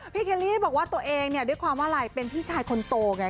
เคลลี่บอกว่าตัวเองเนี่ยด้วยความว่าอะไรเป็นพี่ชายคนโตไง